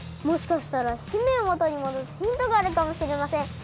もしかしたら姫をもとにもどすヒントがあるかもしれません！